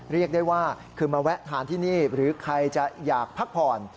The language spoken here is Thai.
เรียกได้ว่าคือมาแวะทานที่นี่หรือใครจะอยากพักผ่อน